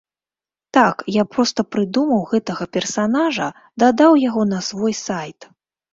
Так, я проста прыдумаў гэтага персанажа, дадаў яго на свой сайт.